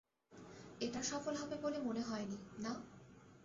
এটা সফল হবে বলে মনে হয়নি, না?